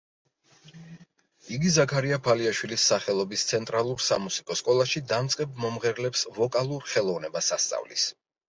იგი ზაქარია ფალიაშვილის სახელობის ცენტრალურ სამუსიკო სკოლაში დამწყებ მომღერლებს ვოკალურ ხელოვნებას ასწავლის.